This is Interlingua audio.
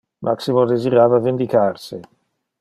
Maximo desirava vindicar se.